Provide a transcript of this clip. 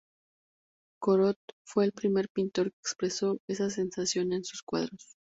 Corot fue el primer pintor que expresó esa sensación en sus cuadros.